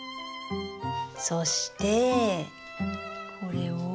そしてこれを。